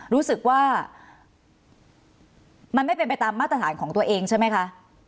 รู้สึกว่ามันไม่เป็นไปตามมาตรฐานของตัวเองใช่ไหมคะ